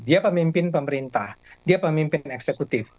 dia pemimpin pemerintah dia pemimpin eksekutif